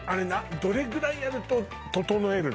どれぐらいやるとととのえるの？